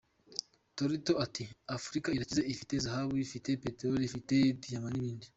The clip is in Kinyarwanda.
Tolton ati “Afurika irakize, ifite zahabu, ifite peterole, ifite diyama n’ ibindi.